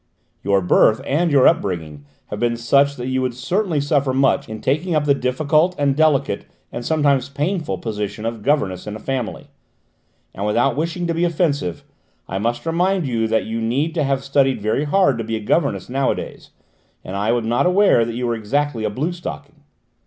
"Your birth and your upbringing have been such that you would certainly suffer much in taking up the difficult and delicate, and sometimes painful, position of governess in a family; and, without wishing to be offensive, I must remind you that you need to have studied very hard to be a governess nowadays, and I am not aware that you are exactly a blue stocking.